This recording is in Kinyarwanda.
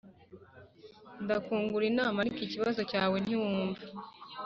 Ndakungura inama ariko ikibazo cyawe ntiwumva